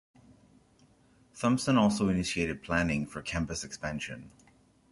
Thompson also initiated planning for campus expansion.